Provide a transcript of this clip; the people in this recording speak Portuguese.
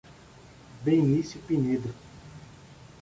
Benicio Pinedo